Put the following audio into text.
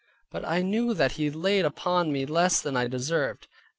But I knew that He laid upon me less than I deserved.